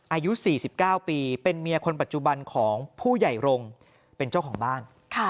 อายุ๔๙ปีเป็นเมียคนปัจจุบันของผู้ใหญ่รงค์เป็นเจ้าของบ้าน